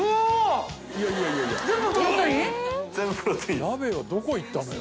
鍋はどこいったのよ？